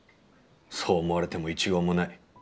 そう思われても一言もない。